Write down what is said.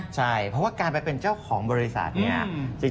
ใช่เพราะว่าการไปเป็นเจ้าของบริษัทเนี่ย